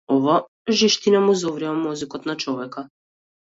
Од оваа жештина му зоврива мозокот на човека.